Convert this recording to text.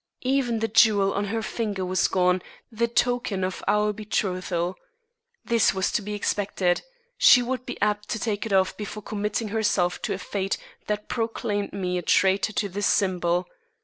Even the jewel on her finger was gone, the token of our betrothal. This was to be expected. She would be apt to take it off before committing herself to a fate that proclaimed me a traitor to this symbol.